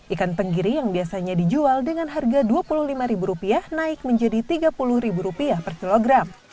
ikan tenggiri yang biasanya dijual dengan harga rp dua puluh lima naik menjadi rp tiga puluh per kilogram